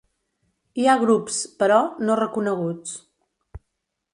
Hi ha grups, però, no reconeguts.